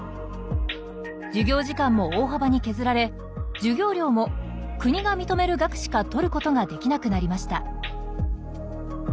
授業時間も大幅に削られ授業料も国が認める額しか取ることができなくなりました。